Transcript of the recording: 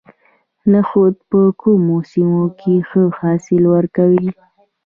نخود په کومو سیمو کې ښه حاصل ورکوي؟